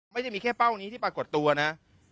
ไม่ได้มีแค่เป้านี้ที่ปรากฏตัวนะ